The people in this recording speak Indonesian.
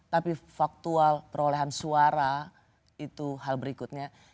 tapi faktual perolehan suara itu hal berikutnya